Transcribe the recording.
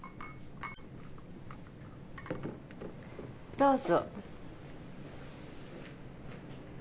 どうぞ。